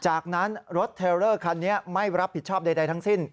จากนั้นรถเทลเลอร์คันนี้ไม่รับผิดชอบใดทั้งสิ้น